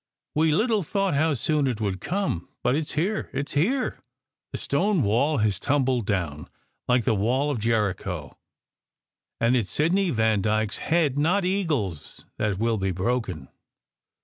" We little thought how soon it would come. But it s here! It s here! The stone wall has tumbled down, like the wall of Jericho, and it s Sidney Vandyke s head, not Eagle s, that will be broken."